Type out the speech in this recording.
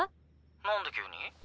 何で急に？